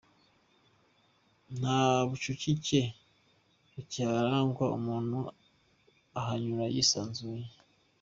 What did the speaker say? Nta bucukike bukiharangwa umuntu ahanyura yisanzuye.